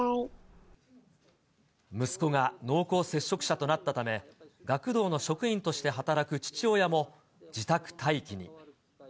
息子が濃厚接触者となったため、学童の職員として働く父親も自宅待機に。